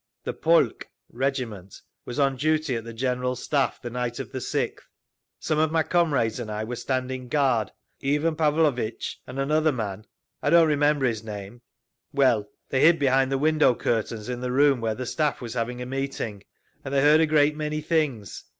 "The polk (regiment) was on duty at the General Staff the night of the 6th. Some of my comrades and I were standing guard; Ivan Pavlovitch and another man—I don't remember his name—well, they hid behind the window curtains in the room where the Staff was having a meeting, and they heard a great many things.